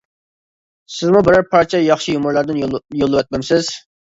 سىزمۇ بىرەر پارچە ياخشى يۇمۇرلاردىن يوللىۋەتمەمسىز!